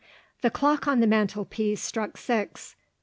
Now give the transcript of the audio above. The clock on the mantelpiece struck six.